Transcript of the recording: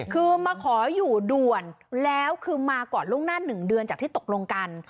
คือมาขออยู่ด่วนแล้วคือมาก่อนล่วงหน้า๑เดือนจากที่ตกลงกัน